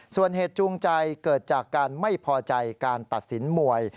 ส่วนเหตุจูงใจเกิดจากการไม่พอใจการตัดสินมวย